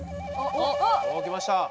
おきました！